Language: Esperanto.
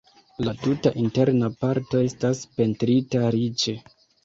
La tuta interna parto estas pentrita riĉe.